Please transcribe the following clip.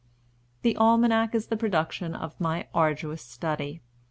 "The Almanac is the production of my arduous study.